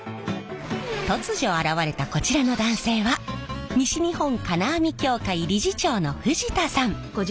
突如現れたこちらの男性は西日本金網協会理事長の藤田さん。